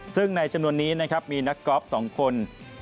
ซึ่งในจำนวนนี้นะครับมีนักกอล์ฟ๒คน